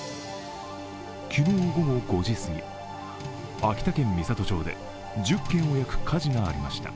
昨日午後５時すぎ、秋田県美郷町で１０軒を焼く火事がありました。